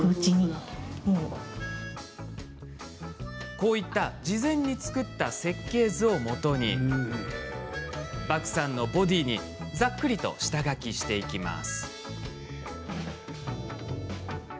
こういった事前に作った設計図をもとにバクさんのボディーにざっくりと下描きしていきます。